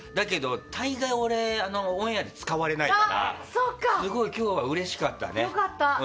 大概、オンエアで使われないからすごい今日はうれしかったね。